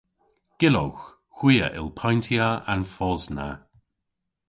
Gyllowgh. Hwi a yll payntya an fos na.